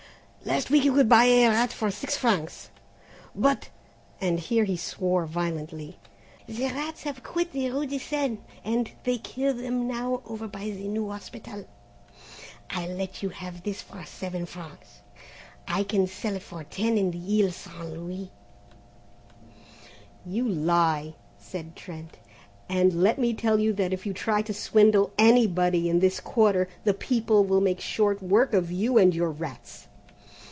"Last week you could buy a rat for six francs, but," and here he swore vilely, "the rats have quit the rue de Seine and they kill them now over by the new hospital. I'll let you have this for seven francs; I can sell it for ten in the Isle St. Louis." "You lie," said Trent, "and let me tell you that if you try to swindle anybody in this quarter the people will make short work of you and your rats."